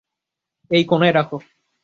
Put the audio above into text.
এই কোণায় রাখো।